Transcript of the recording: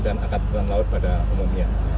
dan laut pada umumnya